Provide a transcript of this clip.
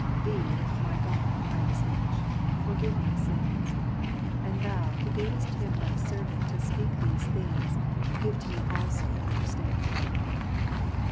Thee, my God, I beseech, forgive my sins ; and Thou, who gavest him Thy servant to speak these things, give to me also to understand them.